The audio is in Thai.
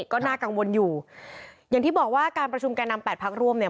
ก็น่ากังวลอยู่อย่างที่บอกว่าการประชุมแก่นำแปดพักร่วมเนี่ย